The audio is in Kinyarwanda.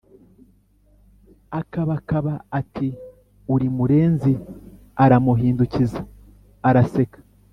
akabakaba ati"uri murenzi aramuhindukiza araseka